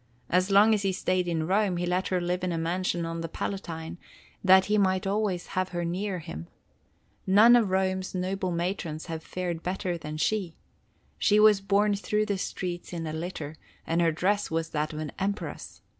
As long as he stayed in Rome, he let her live in a mansion on the Palatine, that he might always have her near him. None of Rome's noble matrons has fared better than she. She was borne through the streets in a litter, and her dress was that of an empress.